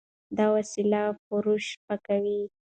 دا وسایل فرش پاکوي.